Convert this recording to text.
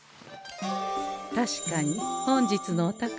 確かに本日のお宝